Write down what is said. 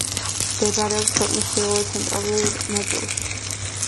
მდებარეობს ქვეყნის ჩრდილო-ცენტრალურ ნაწილში.